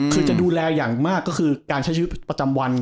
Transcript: คือจะดูแลอย่างมากก็คือการใช้ชีวิตประจำวัน